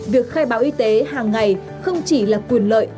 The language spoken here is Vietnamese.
việc khai báo y tế hàng ngày không chỉ là quyền lợi